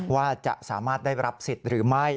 ว่าจะสามารถได้รับสิทธิ์หรือไม่